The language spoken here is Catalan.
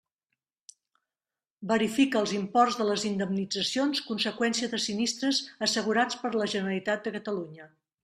Verifica els imports de les indemnitzacions conseqüència de sinistres assegurats per la Generalitat de Catalunya.